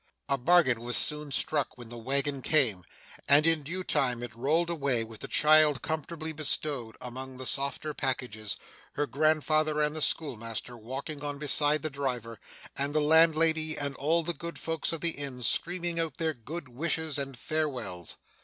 A bargain was soon struck when the waggon came; and in due time it rolled away; with the child comfortably bestowed among the softer packages, her grandfather and the schoolmaster walking on beside the driver, and the landlady and all the good folks of the inn screaming out their good wishes and farewells.